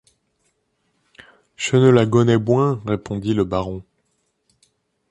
Cheu neu la gonnès boind, répondit le baron.